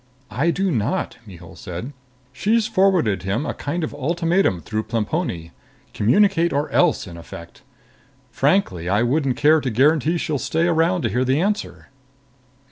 "I do not," Mihul said. "She's forwarded him a kind of ultimatum through Plemponi. Communicate or else, in effect. Frankly, I wouldn't care to guarantee she'll stay around to hear the answer."